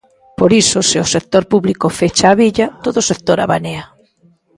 Por iso, se o sector público fecha a billa, todo o sector abanea.